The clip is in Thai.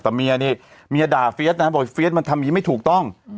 แต่เมียนี่เมียด่าเฟีเอสนะบอกมันทำงี้ไม่ถูกต้อง